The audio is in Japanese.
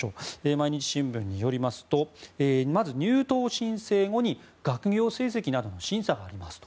毎日新聞によりますとまず、入党申請後に学業成績などの審査があると。